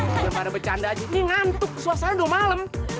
biar pada bercanda aja ini ngantuk suasana udah malem